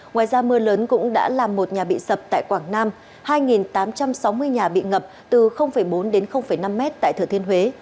ngoài ra mưa lớn cũng đã làm một nhà bị sập tại quảng nam hai tám trăm sáu mươi nhà bị ngập từ bốn đến năm mét tại thừa thiên huế